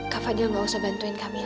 kak fadil tidak usah bantuin kamil